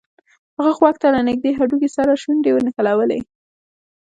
هغه غوږ ته له نږدې هډوکي سره شونډې نښلولې